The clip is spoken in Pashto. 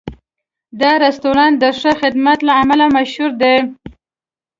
دا رستورانت د ښه خدمت له امله مشهور دی.